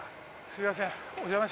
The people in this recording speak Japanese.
すいません